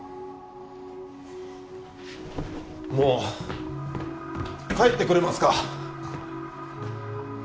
もう帰ってくれますか。